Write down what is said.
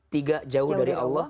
tiga jauh dari allah